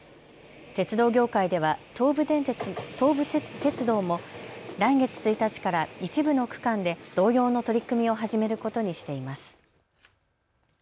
鉄道業界では東武鉄道も来月１日から一部の区間で同様の取り組みを始めることにしています。